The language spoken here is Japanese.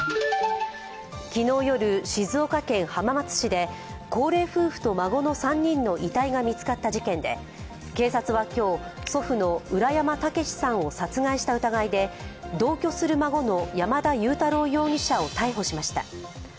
昨日夜、静岡県浜松市で高齢夫婦と孫の３人の遺体が見つかった事件で、警察は今日、祖父の浦山毅さんを殺害した疑いで同居する孫の山田悠太郎容疑者を逮捕しました。